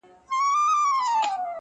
o د زړه له درده شاعري کوومه ښه کوومه,